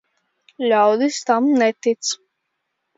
Ļaudis tam netic.